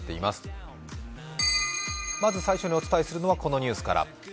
まず最初にお伝えするのはこのニュースから。